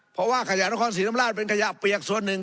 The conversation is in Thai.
เพราะว่าขยะนครศรีธรรมราชเป็นขยะเปียกส่วนหนึ่ง